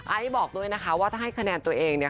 ไอ้บอกด้วยนะคะว่าถ้าให้คะแนนตัวเอง